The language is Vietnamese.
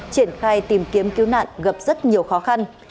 triển khai tìm kiếm cứu nạn gặp rất nhiều khó khăn